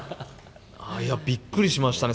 びっくりしましたね。